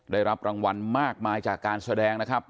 ได้รับรางวัลมากมายจากการแสดงนะครับ